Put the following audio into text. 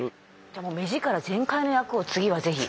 でも目力全開の役を次は是非。